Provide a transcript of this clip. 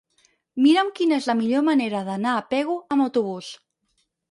Mira'm quina és la millor manera d'anar a Pego amb autobús.